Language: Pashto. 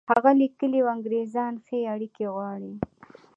هغه لیکلي وو انګرېزان ښې اړیکې غواړي.